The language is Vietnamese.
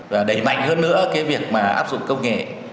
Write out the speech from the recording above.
và đẩy mạnh hơn nữa cái việc mà áp dụng công nghệ